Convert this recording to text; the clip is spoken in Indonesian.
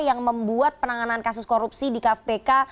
yang membuat penanganan kasus korupsi di kpk